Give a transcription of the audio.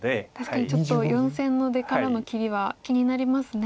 確かにちょっと４線の出からの切りは気になりますね。